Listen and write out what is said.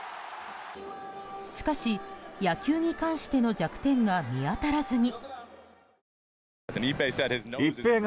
しかし、野球に関しての弱点が見当たらずに。